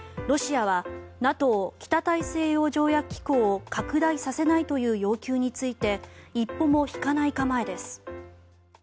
ロシアはＮＡＴＯ・北大西洋条約機構を拡大させないという要求について一歩も引かない構えです。